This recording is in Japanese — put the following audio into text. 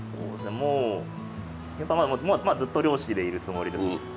もうやっぱずっと漁師でいるつもりですね。